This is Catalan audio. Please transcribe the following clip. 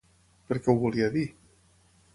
Per què ho volia dir?